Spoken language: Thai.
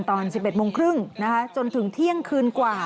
ตอน๑๑โมงครึ่งจนถึงเที่ยงคืนกว่า